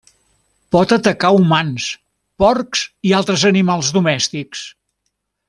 Pot atacar humans, porcs i altres animals domèstics.